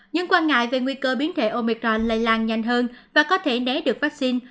những quan ngại về nguy cơ biến thể omicron lây lan nhanh hơn và có thể né được vaccine